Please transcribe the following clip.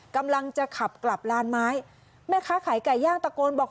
กำลังจะขับกลับลานไม้แม่ค้าขายไก่ย่างตะโกนบอก